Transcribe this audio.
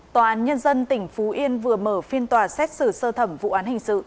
tòa án nhân dân tỉnh phú yên vừa mở phiên tòa xét xử sơ thẩm vụ án hình sự